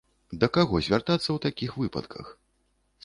Да каго звяртацца ў такіх выпадках?